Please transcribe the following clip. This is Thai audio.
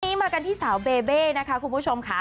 วันนี้มากันที่สาวเบเบ้นะคะคุณผู้ชมค่ะ